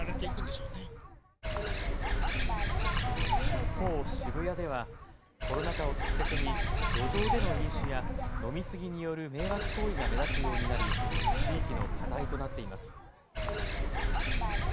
一方、渋谷ではコロナ禍をきっかけに路上での飲酒や飲み過ぎによる迷惑行為が目立つようになり地域の課題となっています。